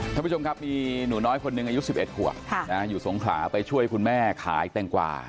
ท่านผู้ชมครับมีหนูน้อยคนนึงอายุสิบเอ็ดหัวค่ะนะฮะอยู่ทรงขาไปช่วยคุณแม่ขาอีกแต่งกว่า